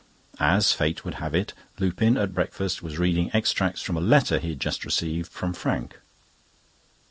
As fate would have it, Lupin, at breakfast, was reading extracts from a letter he had just received from Frank.